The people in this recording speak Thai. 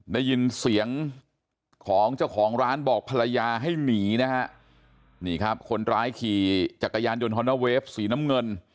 ได้ยินเสียงของเจ้าของร้านบอกภรรยาให้หนีนะฮะนี่ครับคนร้ายขี่จักรยานยนต์ฮอนนาเวฟสีน้ำเงิน